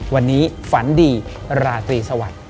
วันนี้ฝันดีราตรีสวัสดิ์